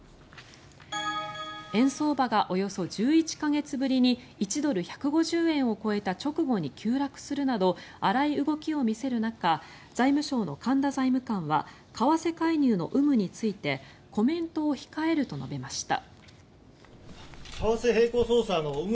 円相場がおよそ１１か月ぶりに１ドル＝１５０円を超えた直後に急落するなど荒い動きを見せる中財務省の神田財務官は為替介入の有無についてコメントを控えると述べました。